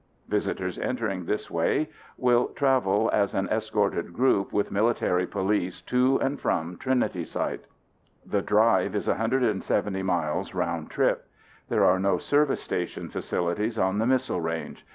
Visitors entering this way will travel as an escorted group with military police to and from Trinity Site. The drive is 170 miles round trip. There are no service station facilities on the missile range.